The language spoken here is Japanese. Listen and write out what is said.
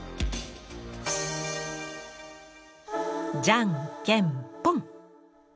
じゃんけんぽん！